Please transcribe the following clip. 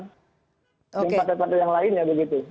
dan partai partai yang lainnya begitu